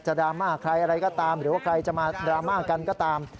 ดราม่าใครอะไรก็ตามหรือว่าใครจะมาดราม่ากันก็ตาม